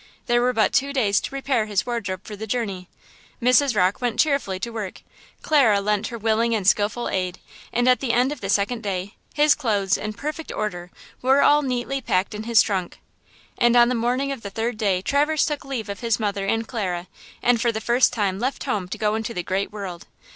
There were but two days to prepare his wardrobe for the journey. Mrs. Rocke went cheerfully to work; Clara lent her willing and skilful aid, and at the end of the second day his clothes, in perfect order, were all neatly packed in his trunk. And on the morning of the third day Traverse took leave of his mother and Clara, and for the first time left home to go into the great world.